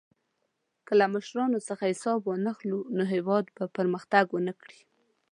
که له مشرانو څخه حساب وانخلو، نو هېواد به پرمختګ ونه کړي.